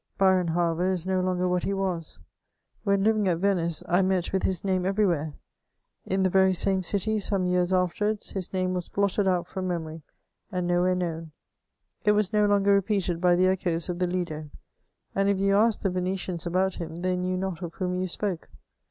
Byron, however, is no longer what he was ; when livii^ at Venice, I met with his name everywhere ; in the yeiy same city, some years afterwards, his name was blotted out from memory, and nowhere known. It was no longer repeated by the echoes of the Lido, and if you asked the Venetians about him, they knew not of whom yon spoke.